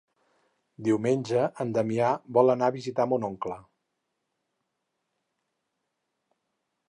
Diumenge en Damià vol anar a visitar mon oncle.